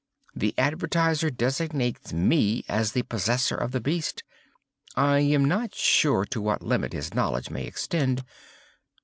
_ The advertiser designates me as the possessor of the beast. I am not sure to what limit his knowledge may extend.